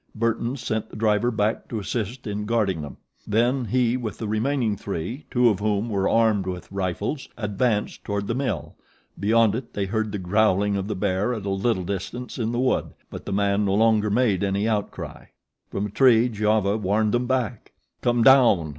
Burton sent the driver back to assist in guarding them; then he with the remaining three, two of whom were armed with rifles, advanced toward the mill. Beyond it they heard the growling of the bear at a little distance in the wood; but the man no longer made any outcry. From a tree Giova warned them back. "Come down!"